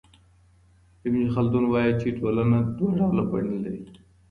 ابن خلدون وايي چي ټولنه دوه ډوله بڼې لري.